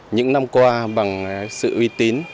những năm qua bằng sự uy tín